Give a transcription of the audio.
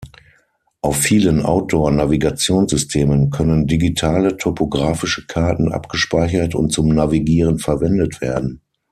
Auf vielen Outdoor-Navigationssystemen können digitale, topographische Karten abgespeichert und zum Navigieren verwendet werden.